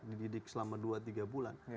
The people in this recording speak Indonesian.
dididik selama dua tiga bulan